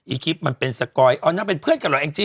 อีกริปมันเป็นสกอยอ๋อ้าน่ะเป็นเพื่อนกับหรอเองจิ